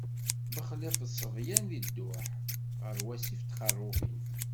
Bexlaf ṣṣebyan deg dduḥ, ɣer wasif n Txerrubin.